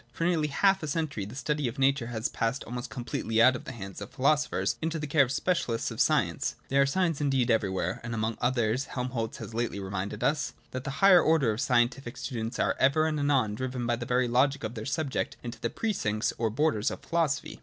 For nearly half a century the study of nature has passed almost completely out of the hands of the philo sophers into the care of the specialists of science. There are signs indeed everywhere — and among others Helmholtz has lately reminded us — that the higher order of scientific students are ever and anon driven by the very logic of their subject into the precincts or the borders of philosophy.